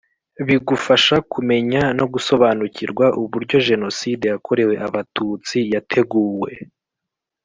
Bigufasha kumenya no gusobanukirwa uburyo jenoside yakorewe abatutsi yateguwe